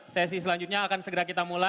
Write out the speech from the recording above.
sesi selanjutnya akan segera kita mulai